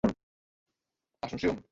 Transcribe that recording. assunção